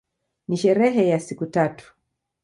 Ni sherehe ya siku tatu.